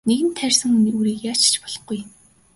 Нэгэнт тарьсан үрийг яаж ч болохгүй.